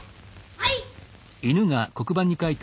はい！